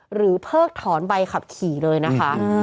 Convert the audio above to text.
เพิกถอนใบขับขี่เลยนะคะ